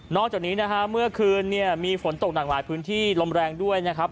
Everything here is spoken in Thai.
นอกจากนี้เมื่อคืนมีฝนตกทางหลายพื้นที่ลมแรงด้วยนะครับ